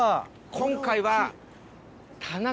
今回は。